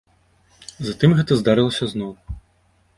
Затым гэта здарылася зноў.